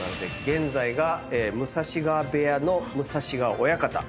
現在が武蔵川部屋の武蔵川親方。